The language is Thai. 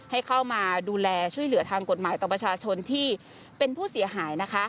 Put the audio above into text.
ให้เข้ามาดูแลช่วยเหลือทางกฎหมายต่อประชาชนที่เป็นผู้เสียหายนะคะ